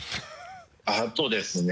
あとですね。